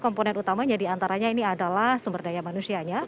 komponen utamanya diantaranya ini adalah sumber daya manusianya